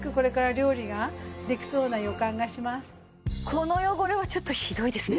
この汚れはちょっとひどいですね。